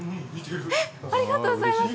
えっ、ありがとうございます！